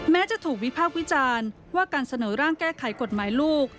แม้จะถูกวิพากษ์วิจารณ์ว่าการเสนอร่างแก้ไขกฎหมายลูก